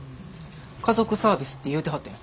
家族サービスって言うてはったやん。